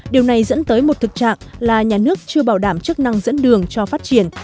điều này dẫn tới một thực trạng là nhà nước chưa bảo đảm chức năng dẫn đường cho phát triển